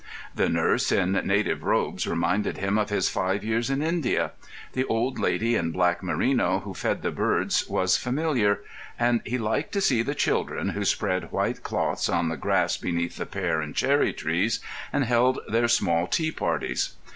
The nurse in native robes reminded him of his five years in India; the old lady in black merino who fed the birds was familiar; and he liked to see the children who spread white cloths on the grass beneath the pear and cherry trees and held their small tea parties.